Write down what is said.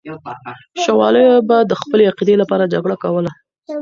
شوالیو به د خپلې عقیدې لپاره جګړه کوله.